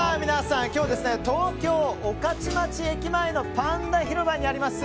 今日は東京・御徒町駅前のパンダ広場にあります